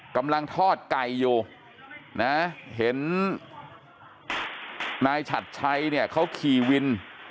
กำลังทอดไก่อยู่นะเห็นนายฉัดชัยเนี่ยเขาขี่วิน